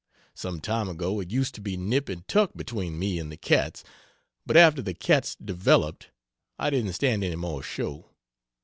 Some time ago it used to be nip and tuck between me and the cats, but after the cats "developed" I didn't stand any more show.